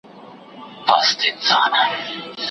مثبت او جوړوونکی انسان تل نورو خلکو ته انګېزه او خوښي ورکوي.